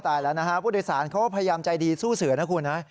ตายแล้วนะฮะผู้โดยสารเขาก็พยายามใจดีสู้เสือนะคุณนะ